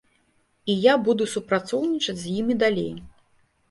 І я буду супрацоўнічаць з імі далей.